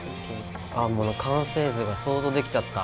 ああもう完成図が想像できちゃった。